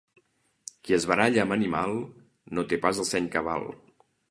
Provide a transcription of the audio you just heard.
Qui es baralla amb animal no té pas el seny cabal.